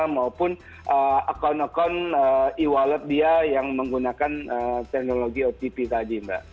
maupun akun akun e wallet dia yang menggunakan teknologi otp tadi mbak